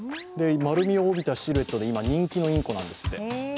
丸みを帯びたシルエットで今、人気のインコなんですって。